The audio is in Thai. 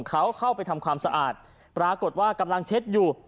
เขาเข้าไปทำความสะอาดปรากฏว่ากำลังเช็ดอยู่